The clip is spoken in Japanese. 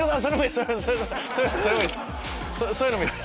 そういうのもいい。